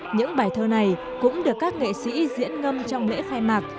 những bài thơ này cũng được các nghệ sĩ diễn ngâm trong lễ khai mạc